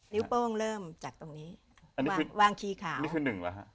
นิ้วโป้งเริ่มจากตรงนี้วางคีย์ขาวอันนี้คือ๑หรอฮะ